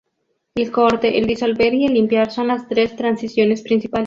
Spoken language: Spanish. El corte, el disolver y el limpiar son las tres transiciones principales.